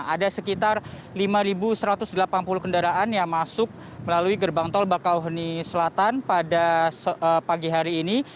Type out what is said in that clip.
ada sekitar lima satu ratus delapan puluh kendaraan yang masuk melalui gerbang tol bakauheni selatan pada pagi hari ini